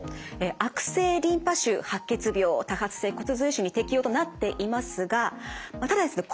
悪性リンパ腫白血病多発性骨髄腫に適用となっていますがただですね